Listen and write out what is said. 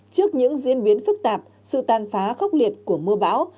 trước những diễn biến phức tạp sự tàn phá khốc liệt của mưa bão